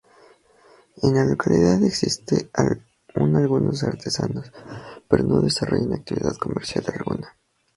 En la localidad existe aún algunos artesanos, pero no desarrollan actividad comercial alguna.